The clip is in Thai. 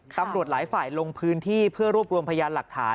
ตำรวจหลายฝ่ายลงพื้นที่เพื่อรวบรวมพยานหลักฐาน